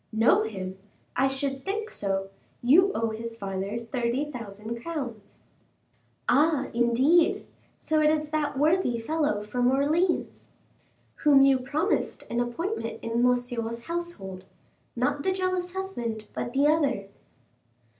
"Know him! I should think so: you owe his father thirty thousand crowns." "Ah, indeed! so it's that worthy fellow from Orleans." "Whom you promised an appointment in Monsieur's household; not the jealous husband, but the other."